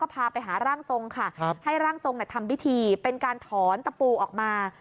พาไปหาร่างทรงค่ะให้ร่างทรงทำพิธีเป็นการถอนตะปูออกมา